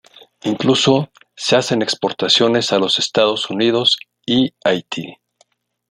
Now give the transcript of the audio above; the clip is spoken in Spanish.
Incluso se hacen exportaciones a los Estados Unidos y Haití.